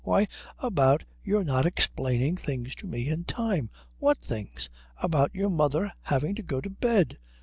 "Why, about your not explaining things to me in time." "What things?" "About your mother having to go to bed."